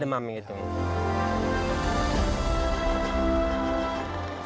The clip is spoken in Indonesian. ke emam gitu ya